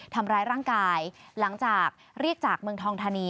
ทำร้ายร่างกายหลังจากเรียกจากเมืองทองธานี